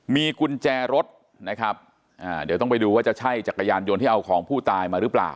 มีกุญแจรถนะครับอ่าเดี๋ยวต้องไปดูว่าจะใช่จักรยานยนต์ที่เอาของผู้ตายมาหรือเปล่า